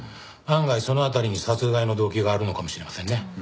案外その辺りに殺害の動機があるのかもしれませんね。